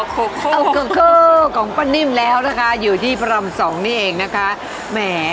ก็คือของป้านิ่มแล้วนะคะอยู่ที่พระรามสองนี่เองนะคะแหม